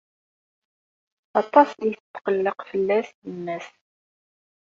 Aṭas i tetqelleq fell-as yemma-s.